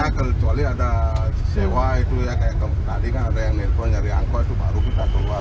ya kecuali ada sewa itu ya kayak tadi kan ada yang nelpon nyari angkot itu baru bisa keluar